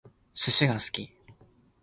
寿司が好き